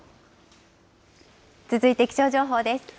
続いて気象情報です。